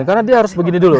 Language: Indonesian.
karena dia harus begini dulu